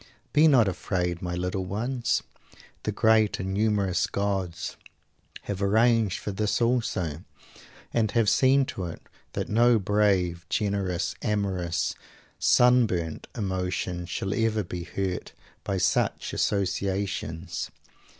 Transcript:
Be not afraid my little ones! The great and humorous gods have arranged for this also; and have seen to it that no brave, generous, amorous "sunburnt" emotion shall ever be hurt by such associations!